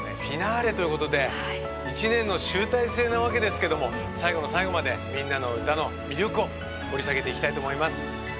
フィナーレということで一年の集大成なわけですけども最後の最後まで「みんなのうた」の魅力を掘り下げていきたいと思います。